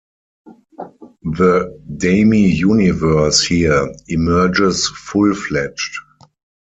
The Demy universe here emerges full-fledged.